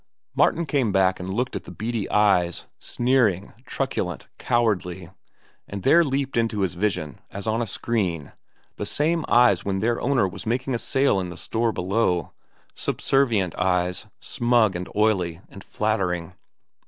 Martin came back and looked at the beady eyes, sneering, truculent, cowardly, and there leaped into his vision, as on a screen, the same eyes when their owner was making a sale in the store below—subservient eyes, smug, and oily, and flattering.